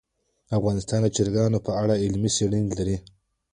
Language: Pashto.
افغانستان د چرګان په اړه علمي څېړنې لري.